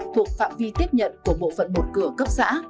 thuộc phạm vi tiếp nhận của bộ phận một cửa cấp xã